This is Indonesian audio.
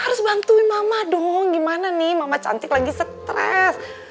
harus bantuin mama dong gimana nih mama cantik lagi stres